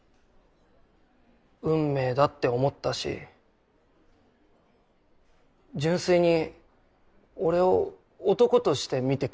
運命だって思ったし純粋に俺を男として見てくれて。